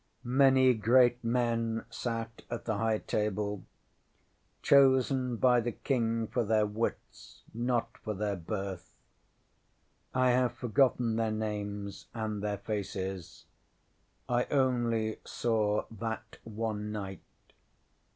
Many great men sat at the High Table chosen by the King for their wits, not for their birth. I have forgotten their names, and their faces I only saw that one night.